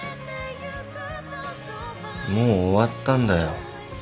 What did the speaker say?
もう終わったんだよ。